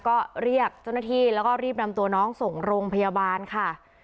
ก็เรียกเจ้าหน้าที่แล้วก็รีบนำตัวน้องส่งโรงพยาบาลค่ะ